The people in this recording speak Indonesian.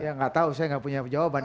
ya gak tau saya gak punya jawaban